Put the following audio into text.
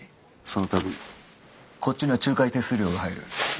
その度こっちには仲介手数料が入る。